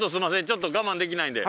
ちょっと我慢できないんで。